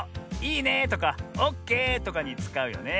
「いいね」とか「オッケー」とかにつかうよね。